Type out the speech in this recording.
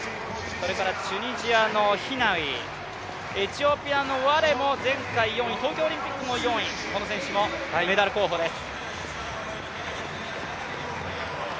それからチュニジアのヒナウイ、エチオピアのワレも前回４位、東京オリンピックも４位、この選手もメダル候補です。